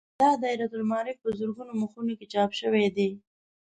دا دایرة المعارف په زرګونو مخونو کې چاپ شوی دی.